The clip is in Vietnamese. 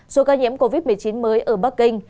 số ca nhiễm covid một mươi chín mới ở bắc kinh